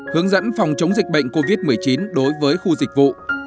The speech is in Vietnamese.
hướng dẫn phòng chống dịch bệnh covid một mươi chín đối với khu dịch vụ